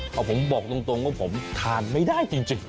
เอาผมบอกตรงว่าผมทานไม่ได้จริง